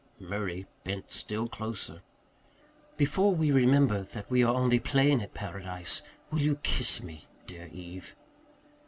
Murray bent still closer. "Before we remember that we are only playing at paradise, will you kiss me, dear Eve?"